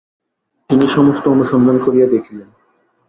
তিনি সমস্ত অনুসন্ধান করিয়া দেখিলেন।